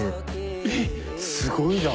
えっすごいじゃん。